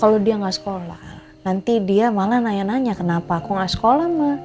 kalau dia gak sekolah nanti dia malah nanya nanya kenapa aku gak sekolah mak